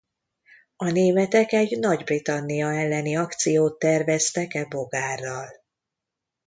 A németek egy Nagy-Britannia elleni akciót terveztek e bogárral.